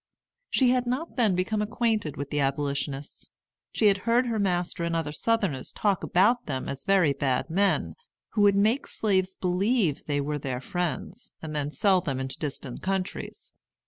She had not then become acquainted with the Abolitionists. She had heard her master and other Southerners talk about them as very bad men, who would make slaves believe they were their friends, and then sell them into distant countries.